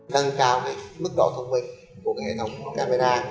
nâng cao mức độ thông minh của hệ thống camera